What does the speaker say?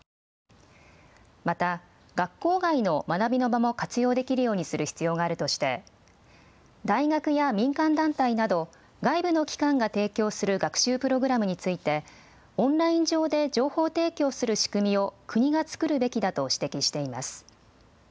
また学校外の学びの場も活用できるようにする必要があるとして大学や民間団体など外部の機関が提供する学習プログラムについて、オンライン上で情報提供する仕組みを国が作るべきだと指摘しています。